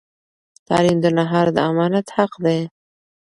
تعلیم د نهار د امانت حق دی.